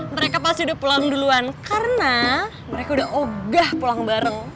mereka pasti udah pulang duluan karena mereka udah ogah pulang bareng